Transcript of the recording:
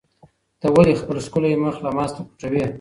ته ولې خپل ښکلی مخ له ما څخه پټوې؟